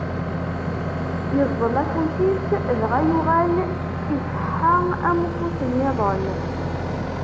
Iẓẓel afus-is, dɣa yuɣal iṣeḥḥa am ufus-nniḍen.